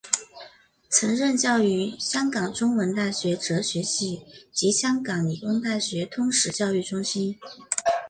曾任教于香港中文大学哲学系及香港理工大学通识教育中心。